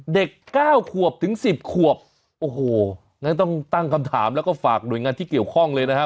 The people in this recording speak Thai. เด็กเก้าขวบถึงสิบขวบโอ้โหงั้นต้องตั้งคำถามแล้วก็ฝากหน่วยงานที่เกี่ยวข้องเลยนะฮะ